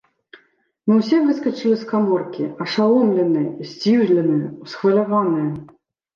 Мы ўсе выскачылі з каморкі, ашаломленыя, здзіўленыя, усхваляваныя.